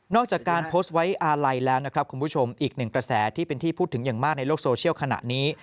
จากการโพสต์ไว้อาลัยแล้วนะครับคุณผู้ชมอีกหนึ่งกระแสที่เป็นที่พูดถึงอย่างมากในโลกโซเชียลขณะนี้